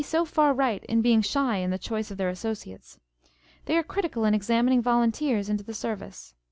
529 so far right in being shy in the choice of their associates. They are critical in examining volunteers into the service.